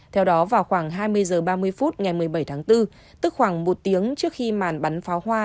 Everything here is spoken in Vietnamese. theo đó vào khoảng hai mươi h ba mươi phút ngày một mươi bảy tháng bốn tức khoảng một tiếng trước khi màn bắn pháo hoa